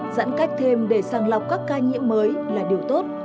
giãn cách thêm để sàng lọc các ca nhiễm mới là điều tốt